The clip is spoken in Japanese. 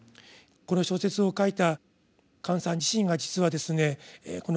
この小説を書いた姜さん自身が実はですね